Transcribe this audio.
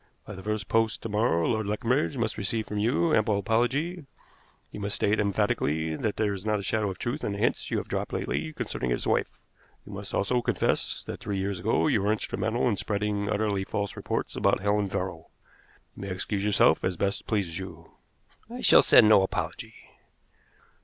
"By the first post to morrow Lord Leconbridge must receive from you an ample apology. You must state emphatically that there is not a shadow of truth in the hints you have dropped lately concerning his wife. You must also confess that three years ago you were instrumental in spreading utterly false reports about Helen Farrow. You may excuse yourself as best pleases you." "I shall send no apology."